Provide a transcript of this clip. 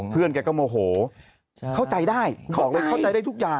เพื่อนแคระก็โมโหเข้าใจได้เขาใจได้ทุกอย่าง